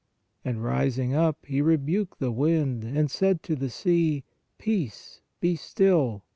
And rising up, He rebuked the wind, and said to the sea : Peace, be still.